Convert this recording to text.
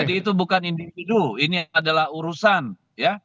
ini individu ini adalah urusan ya